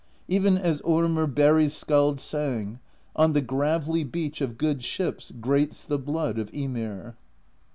Even as Ormr Barrey's Skald sang: On the gravelly beach of good ships Grates the Blood of Ymir.